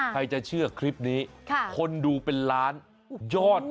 ใครจะเชื่อคลิปนี้คนดูเป็นล้านยอด